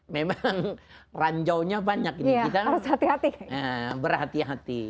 memang ranjaunya banyak ini kita harus hati hati berhati hati